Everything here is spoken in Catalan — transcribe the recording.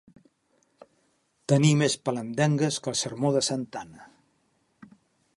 Tenir més pelendengues que el sermó de Santa Anna.